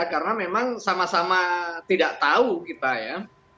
karena memang sama sama tidak tahu kita ya